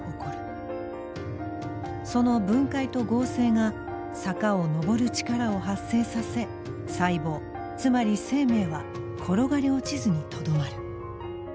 その分解と合成が坂を上る力を発生させ細胞つまり生命は転がり落ちずにとどまる。